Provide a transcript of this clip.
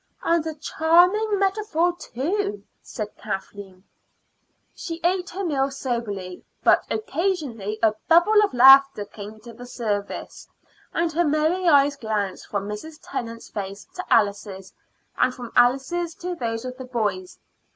"And a charming metaphor, too," said Kathleen. She ate her meal soberly, but occasionally a bubble of laughter came to the surface, and her merry eyes glanced from Mrs. Tennant's face to Alice's, and from Alice's to those of the boys.